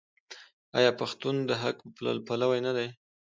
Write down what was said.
آیا پښتون د حق پلوی نه دی؟